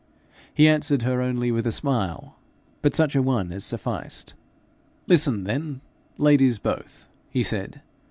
He answered her only with a smile, but such a one as sufficed. 'Listen then, ladies both,' he said.